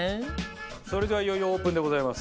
それではいよいよオープンでございます。